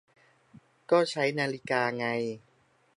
ก็ใช้นาฬิกาไง